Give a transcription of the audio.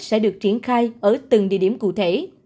sẽ được triển khai ở từng địa điểm cụ thể